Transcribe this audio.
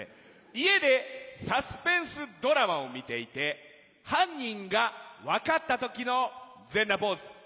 家でサスペンスドラマを見ていて犯人が分かった時の全裸ポーズ。